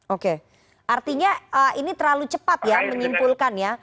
oke artinya ini terlalu cepat ya menyimpulkan ya